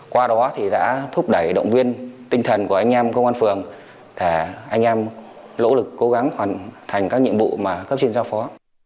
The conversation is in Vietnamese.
qua đó thì đã thúc đẩy động viên tinh thần của anh em công an phường để anh em lỗ lực cố gắng hoàn thành các nhiệm vụ mà cấp trên giao phó